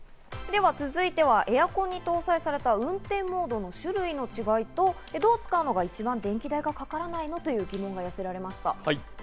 では続いては、エアコンに搭載された運転モードの種類の違いと、どう使うのが一番電気代がかからないの？という疑問が寄せられました。